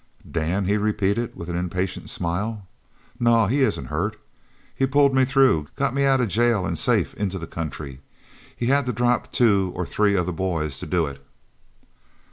"Dan?" he repeated with an impatient smile. "No, he isn't hurt. He pulled me through got me out of jail and safe into the country. He had to drop two or three of the boys to do it."